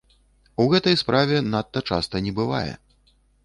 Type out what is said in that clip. У гэтай справе надта часта не бывае.